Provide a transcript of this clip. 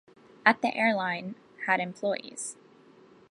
At the airline had employees.